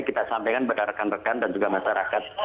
kita sampaikan kepada rekan rekan dan juga masyarakat